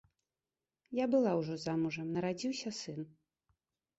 Я была ўжо замужам, нарадзіўся сын.